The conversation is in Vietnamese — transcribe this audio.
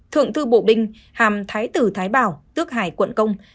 thượng tư bộ binh hàm thái tử thái bảo tước hải quận công